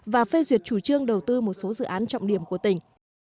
và phê duyệt chủ trương đầu tư một số dự án trọng điểm của tỉnh